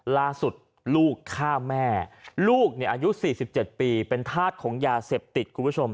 ล่าสุดลูกฆ่าแม่ลูกอายุ๔๗ปีเป็นธาตุของยาเสพติด